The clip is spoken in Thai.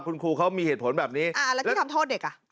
คุณครูเขามีเหตุผลแบบนี้อ่าแล้วที่ทำโทษเด็กอ่ะ